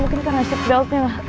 mungkin karena seatbeltnya